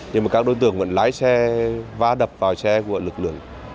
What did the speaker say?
nhưng mà các đối tượng vẫn lái xe va đập vào xe của lực lượng